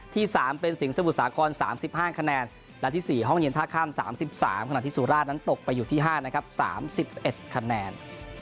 ๓เป็นสิงหมุทรสาคร๓๕คะแนนและที่๔ห้องเย็นท่าข้าม๓๓ขณะที่สุราชนั้นตกไปอยู่ที่๕นะครับ๓๑คะแนน